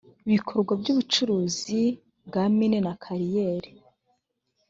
bikorwa by ubucukuzi bwa mine na kariyeri